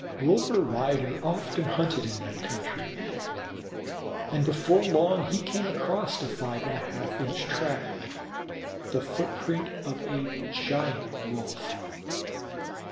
Wolver Ryder often hunted in that country, and before long, he came across a five and one half inch track, the foot print of a giant Wolf.